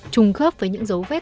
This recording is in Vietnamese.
trung khớp với những dấu vết